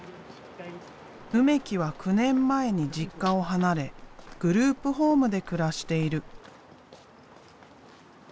梅木は９年前に実家を離れグループホームで暮らしている。